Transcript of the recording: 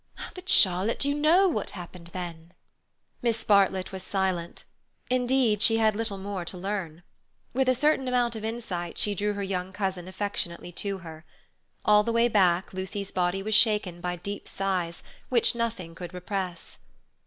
"But, Charlotte, you know what happened then." Miss Bartlett was silent. Indeed, she had little more to learn. With a certain amount of insight she drew her young cousin affectionately to her. All the way back Lucy's body was shaken by deep sighs, which nothing could repress.